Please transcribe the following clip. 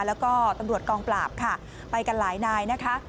แล้วก็ตำรวจกองปราบค่ะไปกันหลายนายนะคะ